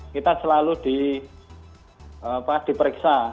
kita selalu diperiksa